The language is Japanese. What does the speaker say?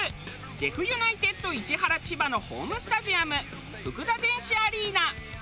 ジェフユナイテッド市原・千葉のホームスタジアムフクダ電子アリーナ。